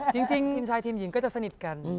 จริงทีมชายทีมหญิงก็จะสนิทกัน